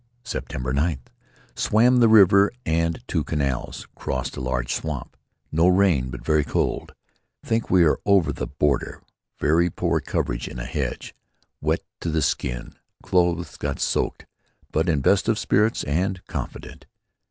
"September ninth: Swam the river and two canals. Crossed a large swamp. No rain but very cold. Think we are over the border. Very poor cover in a hedge. Wet to the skin. Clothes got soaked but in best of spirits and confident."